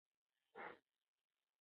افغانان څه استعداد لري؟